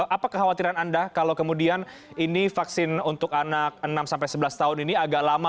apa kekhawatiran anda kalau kemudian ini vaksin untuk anak enam sebelas tahun ini agak lama